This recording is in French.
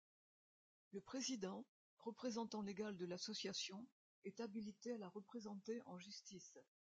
Le président, représentant légal de l’association, est habilité à la représenter en justice.